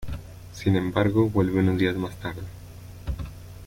Sin embargo, vuelve unos días más tarde.